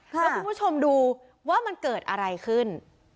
แล้วคุณผู้ชมดูว่ามันเกิดอะไรขึ้น